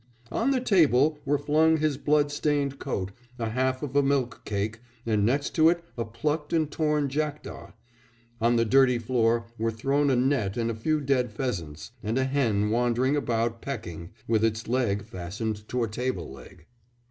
"On the table were flung his blood stained coat, a half of a milk cake, and next to it a plucked and torn jackdaw.... On the dirty floor were thrown a net and a few dead pheasants, and a hen wandered about pecking, with its leg fastened to a table leg."